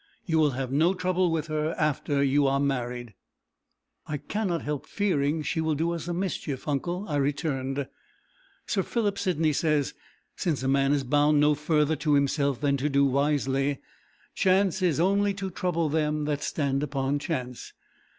You will have no trouble with her after you are married." "I cannot help fearing she will do us a mischief, uncle," I returned. "Sir Philip Sidney says 'Since a man is bound no further to himself than to do wisely, chance is only to trouble them that stand upon chance.'